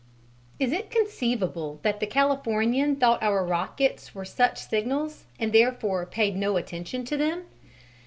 Is it conceivable that the Californian thought our rockets were such signals, and therefore paid no attention to them?